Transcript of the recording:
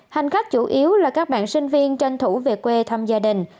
hành khách chủ yếu là các bạn sinh viên tranh thủ về quê thăm gia đình